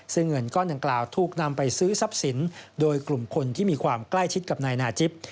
ซึ่งเงินก้อนดังกล่าวถูกนำไปซื้อทรัพย์สินโดยกลุ่มคนที่มีความใกล้ชิดกับนายนาจิป